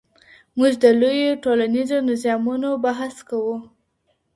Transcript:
موږ د لویو ټولنیزو نظامونو بحث کوو.